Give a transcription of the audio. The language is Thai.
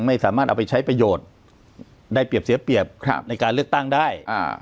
ไม่สามารถเอาไปใช้ประโยชน์ได้เปรียบเสียเปรียบในการเลือกตั้งได้